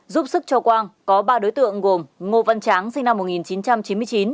giúp sức cho quang có ba đối tượng gồm ngô văn tráng sinh năm một nghìn chín trăm chín mươi chín